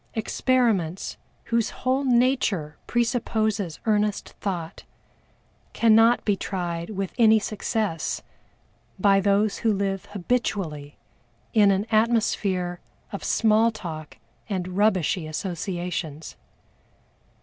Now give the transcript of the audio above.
Experiments, whose whole nature presupposes earnest thought, cannot be tried with any success by those who live habitually in an atmosphere of small talk and "rubbishy" associations.